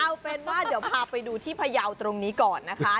เอาเป็นว่าเดี๋ยวพาไปดูที่พยาวตรงนี้ก่อนนะคะ